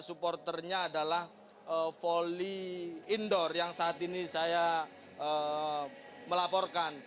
supporternya adalah volley indoor yang saat ini saya melaporkan